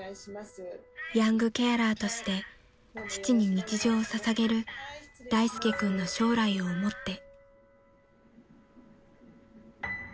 ［ヤングケアラーとして父に日常を捧げる大介君の将来を思って］